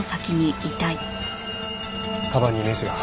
かばんに名刺が。